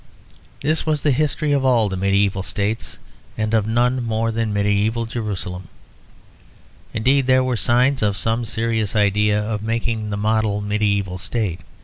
This was the history of all the medieval states and of none more than medieval Jerusalem; indeed there were signs of some serious idea of making it the model medieval state.